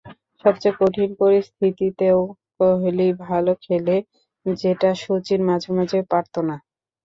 সবচেয়ে কঠিন পরিস্থিতিতেও কোহলি ভালো খেলে, যেটা শচীন মাঝে মাঝে পারত না।